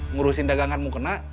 ngurusin daganganmu kena